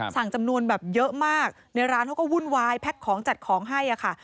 จำนวนแบบเยอะมากในร้านเขาก็วุ่นวายแพ็คของจัดของให้ค่ะ